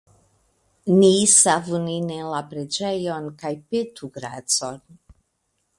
Ni savu nin en la preĝejon, kaj petu gracon!